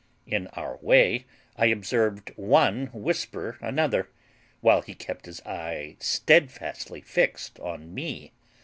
"In our way I observed one whisper another, while he kept his eye stedfastly fixed on me.